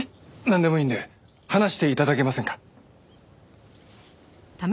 なんでもいいんで話して頂けませんか？